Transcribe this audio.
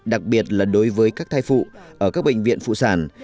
đặc biệt là đối với các thai phụ ở các bệnh viện phụ sản